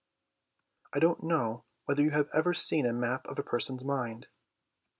I don't know whether you have ever seen a map of a person's mind.